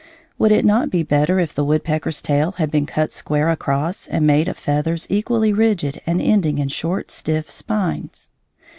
Would it not be better if the woodpecker's tail had been cut square across and made of feathers equally rigid and ending in short stiff spines?